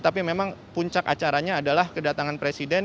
tapi memang puncak acaranya adalah kedatangan presiden